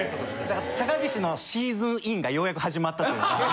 だから高岸のシーズンインがようやく始まったというか。